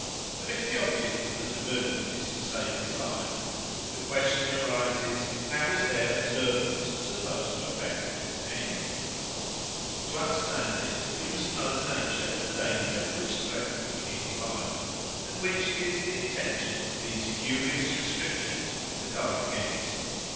But if the object of the taboos is to save his life, the question arises, How is their observance supposed to effect this end? To understand this we must know the nature of the danger which threatens the king's life, and which it is the intention of these curious restrictions to guard against.